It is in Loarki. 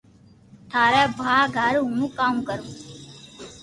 ٿاري ڀاگ ھارو ھون ڪاوُ ڪارو